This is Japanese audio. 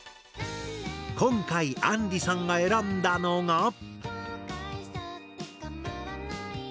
今回あんりさんが選んだのが。